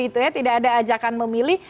tidak ada ajakan memilih